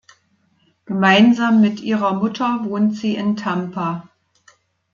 Gemeinsam mit ihrer Mutter wohnt sie in Tampa.